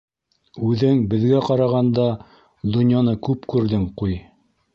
Үҙең беҙгә ҡарағанда донъяны күп күрҙең ҡуй.